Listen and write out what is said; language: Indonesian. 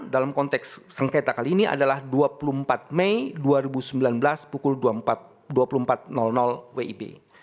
dalam konteks sengketa kali ini adalah dua puluh empat mei dua ribu sembilan belas pukul dua puluh empat wib